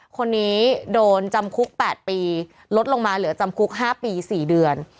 คนนี้โดนจำคุก๘ปีลดลงมาเหลือจำคุก๕ปี๔เดือน